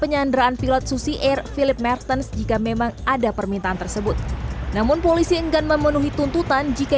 ya kita tunggu saja